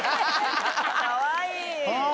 かわいい。